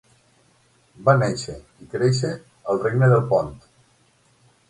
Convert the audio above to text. Va néixer i créixer al Regne del Pont.